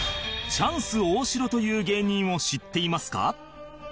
チャンス大城という芸人を知っていますか？